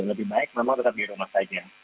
lebih baik memang tetap di rumah saja